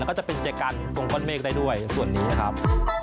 แล้วก็จะเป็นเจ๊กันตรงก้อนเมฆได้ด้วยส่วนนี้ครับ